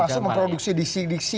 termasuk memproduksi diksi diksi